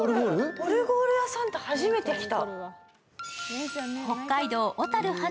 オルゴール屋さんって初めて来た。